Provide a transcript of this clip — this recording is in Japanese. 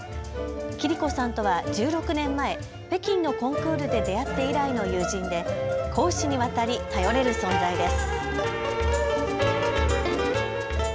桐子さんとは１６年前、北京のコンクールで出会って以来の友人で公私にわたり頼れる存在です。